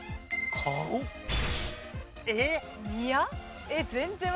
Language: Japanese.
えっ？